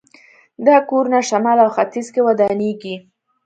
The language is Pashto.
دا کورونه شمال او ختیځ کې ودانېږي.